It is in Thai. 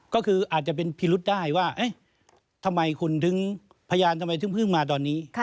ก็คืออาจจะเป็นพิรุษได้ว่าทำไมคุณพยานเพิ่งมาตอนนี้